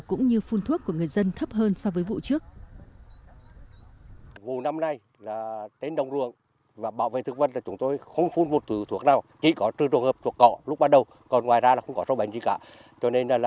cũng như phun thuốc của người dân thấp hơn so với vụ trước